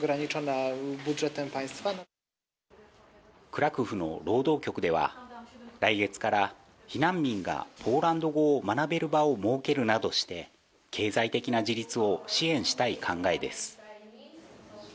クラクフの労働局では来月から避難民がポーランド語を学べる場を設けるなどして経済的な自立を支援したい考えです。